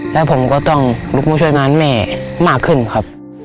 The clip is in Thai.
แล้วผมก็ต้องลุกมาช่วยงานแม่มากขึ้นครับ